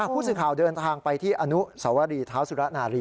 ผู้สื่อข่าวเดินทางไปที่อนุสวรีเท้าสุรนารี